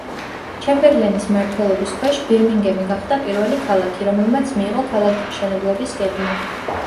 ჩემბერლენის „მმართველობის ქვეშ“, ბირმინგემი გახდა პირველი ქალაქი, რომელმაც მიიღო ქალაქთმშენებლობის გეგმა.